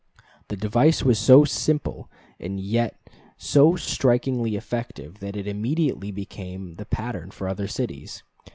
The device was so simple and yet so strikingly effective that it immediately became the pattern for other cities.